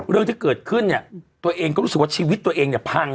เรื่องที่เกิดขึ้นเนี่ยตัวเองก็รู้สึกว่าชีวิตตัวเองเนี่ยพัง